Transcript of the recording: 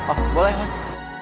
oh boleh emang